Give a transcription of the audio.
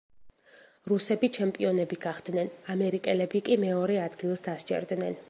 რუსები ჩემპიონები გახდნენ, ამერიკელები კი მეორე ადგილს დასჯერდნენ.